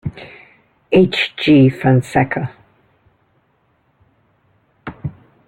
H. G. Fonseca.